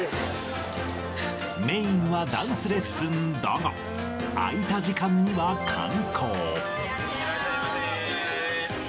メインはダンスレッスンだが、空いた時間には観光。